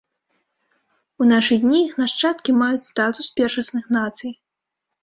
У нашы дні іх нашчадкі маюць статус першасных нацый.